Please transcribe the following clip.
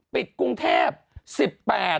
ปิดกรุงเทพ